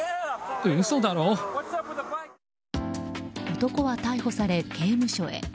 男は逮捕され刑務所へ。